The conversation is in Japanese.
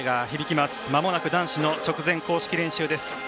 まもなく男子の直前公式練習です。